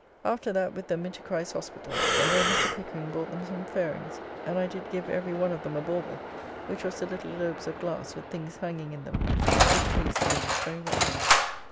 After that with them into Christ's Hospitall, and there Mr. Pickering bought them some fairings, and I did give every one of them a bauble, which was the little globes of glass with things hanging in them, which pleased the ladies very well.